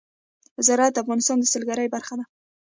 زراعت د افغانستان د سیلګرۍ برخه ده.